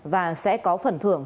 và sẽ có phần thưởng